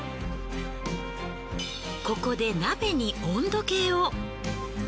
ここで鍋に温度計を。